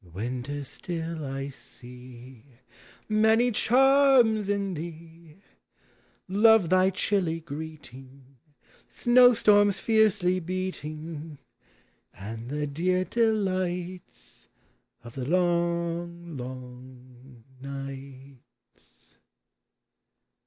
Winter, still I see Many charms in thee, — Love tln r chilly greeting, Snow storms fiercely beating, And the dear delights Of the long, long nights.